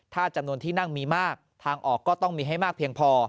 ถ้าจำนวนที่นั่งมีมากทางออกก็ต้องมีให้มากเพียงพอ